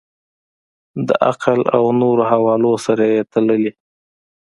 د عقل او نورو حوالو سره یې تللي.